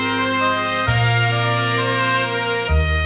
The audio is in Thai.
รู้ไหม